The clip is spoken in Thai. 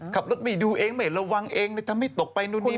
ขับรถไปดูเองไม่เห็นระวังเองทำให้ตกไปนู่นนี่น่ะ